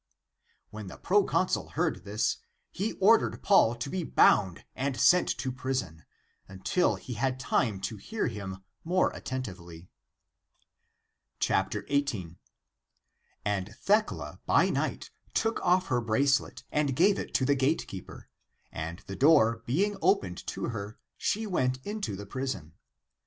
When the proconsul heard this, he ordered Paul to be bound and sent to prison, until he had time to hear him more attentively, 1 8. And Thecla, by night, took off her bracelet and gave it to the gatekeeper; and the door being opened to her, she went into the prison.